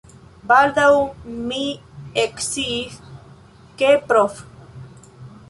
Baldaŭ mi eksciis, ke Prof.